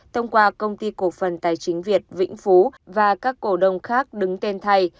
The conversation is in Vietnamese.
thông qua công ty cổ phần tài chính việt vĩnh phú và các cổ đồng khác đứng tên thay